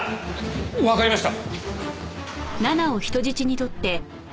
わかりました。